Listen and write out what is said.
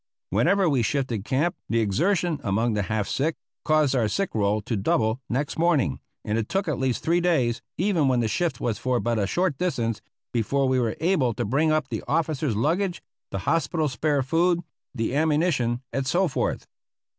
Whenever we shifted camp the exertion among the half sick caused our sick roll to double next morning, and it took at least three days, even when the shift was for but a short distance, before we were able to bring up the officers' luggage, the hospital spare food, the ammunition, etc.